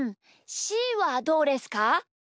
しーはどうですか？